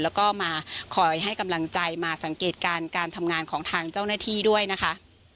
แล้วก็มาคอยให้กำลังใจมาสังเกตการณ์การทำงานของทางเจ้าหน้าที่ด้วยนะคะ